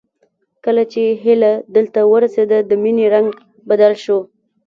کله چې هيله دلته ورسېده د مينې رنګ بدل شو